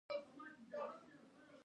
ویلي دي چې د دغه ځوان د بدن